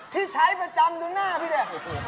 พี่ใช้ประจำดูหน้าพี่ดิ